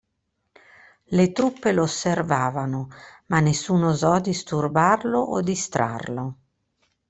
Le truppe lo osservavano, ma nessuno osò disturbarlo o distrarlo.